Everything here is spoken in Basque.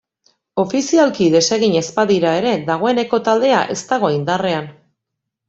Ofizialki desegin ez badira ere, dagoeneko taldea ez dago indarrean.